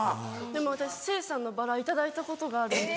でも私成さんのバラ頂いたことがあるんです。